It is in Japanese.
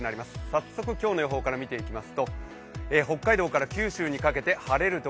早速、今日の予報から見ていきます